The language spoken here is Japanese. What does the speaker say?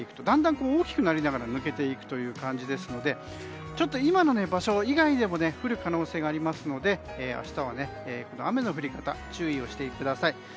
だんだん大きくなりながら抜けていく感じですので今の場所以外でも降る可能性がありますので明日は雨の降り方に注意をしてください。